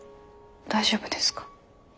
大丈夫ですか？